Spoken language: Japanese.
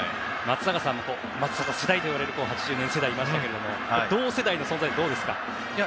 松坂さんも松坂世代といわれる８０年世代でしたけれども同世代の存在はどうですか？